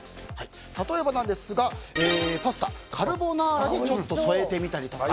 例えば、パスタカルボナーラにちょっと添えてみたりとか。